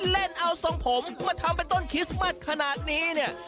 เล่นเอาทรงผมมาทำเป็นต้นคริสต์มัสขนาดนี้เนี่ย